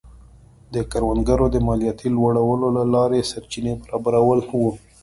د کروندګرو د مالیاتو لوړولو له لارې سرچینې برابرول و.